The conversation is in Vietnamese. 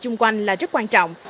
chung quanh là rất quan trọng